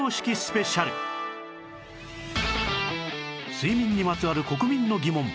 睡眠にまつわる国民の疑問